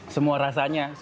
semua rasa yang terasa